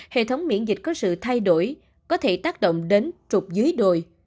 hệ thống miễn dịch có sự thay đổi có thể tác động đến trục dưới đồi